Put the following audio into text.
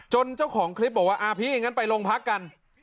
จนเจ้าของคลิปบอกว่าอ้าวพี่อย่างนั้นไปลงพักกัน